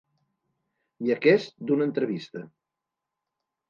I aquest d'una entrevista.